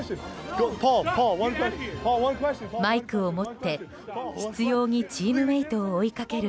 マイクを持って執拗にチームメートを追いかける